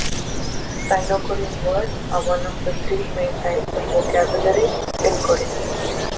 Sino-Korean words are one of the three main types of vocabulary in Korean.